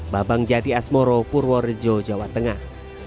babang jati asmoro purworejo jawa tengah